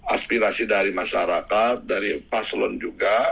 aspirasi dari masyarakat dari paslon juga